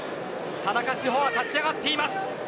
田中志歩は立ち上がっています。